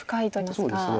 そうですね。